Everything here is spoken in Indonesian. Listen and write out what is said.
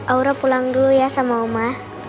aura pulang dulu ya sama oma